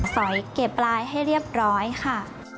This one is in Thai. สอยเก็บลายให้เรียบร้อยค่ะ